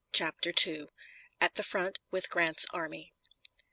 CHAPTER II AT THE FRONT WITH GRANT'S ARMY.